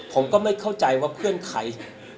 ผมก็ไม่เข้าใจว่าเพื่อนใคร